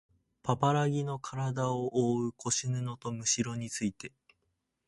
パパラギのからだをおおう腰布とむしろについて